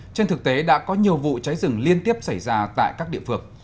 trên thực tế đã có nhiều vụ cháy rừng liên tiếp xảy ra tại các địa phương